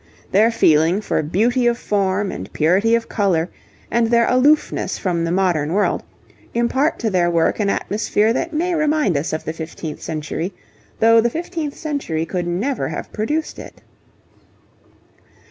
Their feeling for beauty of form and purity of colour, and their aloofness from the modern world, impart to their work an atmosphere that may remind us of the fifteenth century, though the fifteenth century could never have produced it.